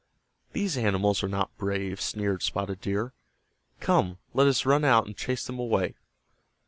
"These animals are not brave," sneered Spotted Deer. "Come, let us run out and chase them away."